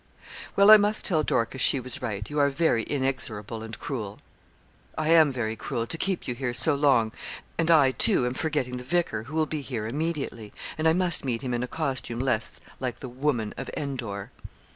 'Well, I must tell Dorcas she was right you are very inexorable and cruel.' 'I am very cruel to keep you here so long and I, too, am forgetting the vicar, who will be here immediately, and I must meet him in a costume less like the Woman of Endor.'